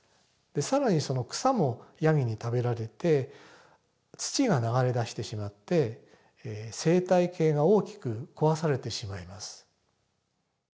更にその草もヤギに食べられて土が流れ出してしまって生態系が大きく壊されてしまいます。